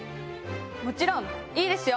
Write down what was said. もちろんいいですよ。